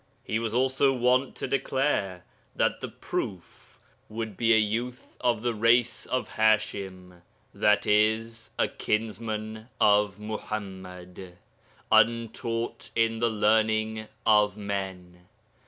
He was also wont to declare that the 'Proof' would be a youth of the race of Hashim, i.e. a kinsman of Muḥammad, untaught in the learning of men.